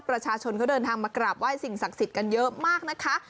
ประชาชนเขาเดินทางมากราบไห้สิ่งศักดิ์สิทธิ์กันเยอะมากนะคะ